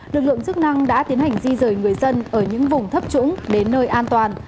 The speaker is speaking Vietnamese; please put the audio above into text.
lực lượng chức năng đã tiến hành di rời người dân ở những vùng thấp trũng đến nơi an toàn